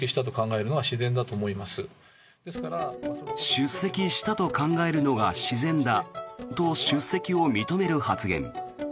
出席したと考えるのが自然だと出席を認める発言。